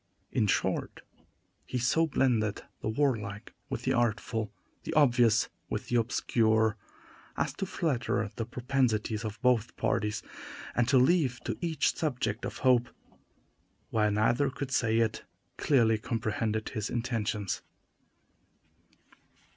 In short, he so blended the warlike with the artful, the obvious with the obscure, as to flatter the propensities of both parties, and to leave to each subject of hope, while neither could say it clearly comprehended his intentions.